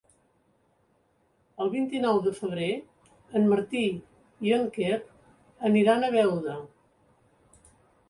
El vint-i-nou de febrer en Martí i en Quer aniran a Beuda.